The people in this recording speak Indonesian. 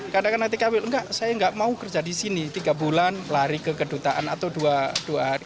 kadang kadang tkw enggak saya nggak mau kerja di sini tiga bulan lari ke kedutaan atau dua hari